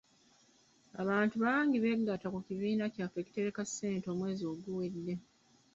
Abantu bangi beegatta ku kibiina kyaffe ekitereka ssente omwezi oguwedde.